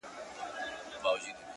لوی څښتن مي دی د رزق پوروړی,